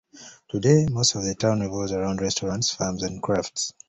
Today, most of the town revolves around restaurants, farms, and crafts.